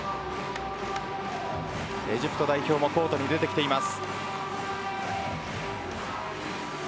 エジプト代表もコートに出てきています。